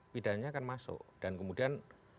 pidannya kan masuk dan kemudian